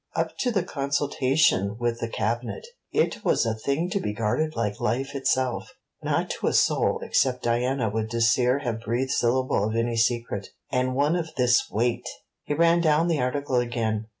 Up to the consultation with the Cabinet, it was a thing to be guarded like life itself. Not to a soul except Diana would Dacier have breathed syllable of any secret and one of this weight! He ran down the article again.